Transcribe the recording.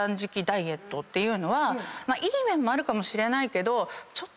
いい面もあるかもしれないけど。